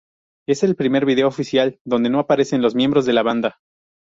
Es el primer video oficial donde no aparecen los miembros de la banda.